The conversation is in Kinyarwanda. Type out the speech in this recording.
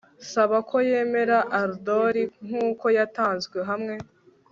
saba ko yemera ardor nkuko yatanzwe, hamwe